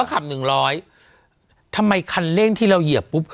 ขับหนึ่งร้อยทำไมคันเร่งที่เราเหยียบปุ๊บ